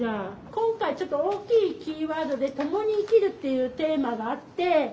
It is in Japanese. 今回ちょっと大きいキーワードで“ともに生きる”っていうテーマがあって。